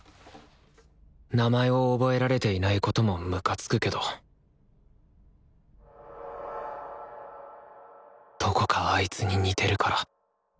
名前を覚えられていないこともムカつくけどどこかあいつに似てるから。